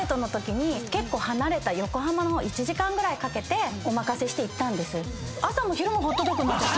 結構離れた横浜の方１時間ぐらいかけてお任せして行ったんです。